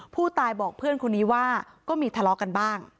ผู้ตายบอกเพื่อนคนนี้ว่าก็มีทะเลาะกันบ้าง